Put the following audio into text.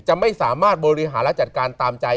จะไม่สามารถบริหารและจัดการตามใจ